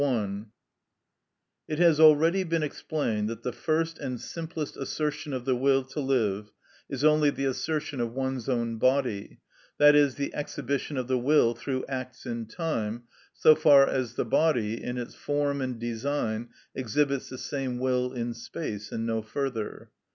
§ 62. It has already been explained that the first and simplest assertion of the will to live is only the assertion of one's own body, i.e., the exhibition of the will through acts in time, so far as the body, in its form and design, exhibits the same will in space, and no further.